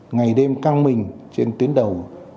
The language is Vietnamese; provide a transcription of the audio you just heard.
ngày đêm căng mình trên tuyến đầu